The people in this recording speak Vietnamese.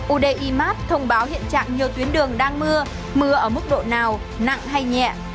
udi mat thông báo hiện trạng nhiều tuyến đường đang mưa mưa ở mức độ nào nặng hay nhẹ